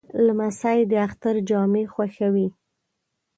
لمسی د اختر جامې خوښوي.